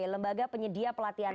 lembaga penyedia pelatihan